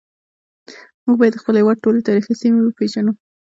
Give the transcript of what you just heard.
موږ باید د خپل هیواد ټولې تاریخي سیمې وپیژنو